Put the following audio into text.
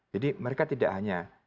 jadi mereka tidak hanya